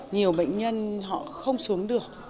nhiều bệnh nhân họ không xuống được